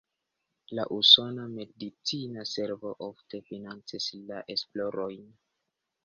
La usona medicina servo ofte financis la esplorojn.